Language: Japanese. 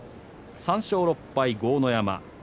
３勝６敗、豪ノ山